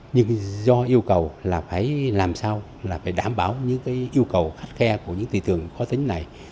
nhưng do yêu cầu là phải làm sao là phải đảm bảo những yêu cầu khắt khe của những thị trường khó tính này